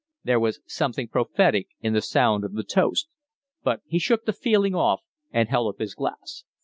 There was something prophetic in the sound of the toast. But he shook the feeling off and held up his glass.